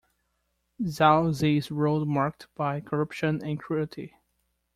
Xiao Zi's rule marked by corruption and cruelty.